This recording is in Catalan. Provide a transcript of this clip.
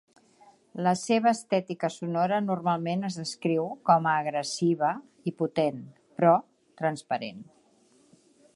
La seva estètica sonora normalment es descriu com a agressiva i potent, però transparent.